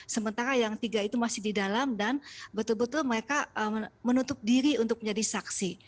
sementara yang tiga itu masih di dalam dan betul betul mereka menutup diri untuk menjadi saksi